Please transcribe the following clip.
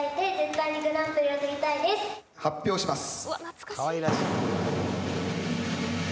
発表します。